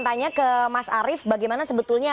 tanya ke mas arief bagaimana sebetulnya